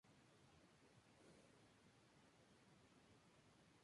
Los entrenudos contienen agua pura que se puede tomar en el bosque.